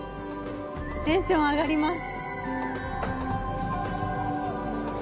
テンション上がります！